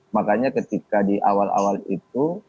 makanya ketika di awal awal itu